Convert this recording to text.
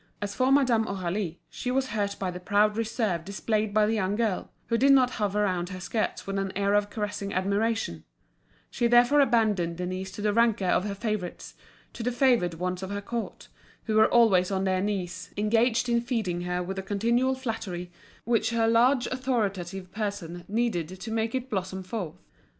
As for Madame Aurélie, she was hurt by the proud reserve displayed by the young girl, who did not hover round her skirts with an air of caressing admiration; she therefore abandoned Denise to the rancour of her favourites, to the favoured ones of her court, who were always on their knees, engaged in feeding her with a continual flattery, which her large authoritative person needed to make it blossom forth.